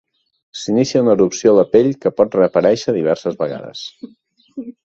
S'inicia una erupció a la pell que pot reaparèixer diverses vegades.